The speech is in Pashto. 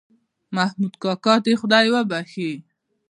محمود کاکا دې خدای وبښي